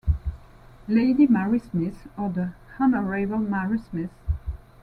"Lady Mary Smith" or "The Honourable Mary Smith".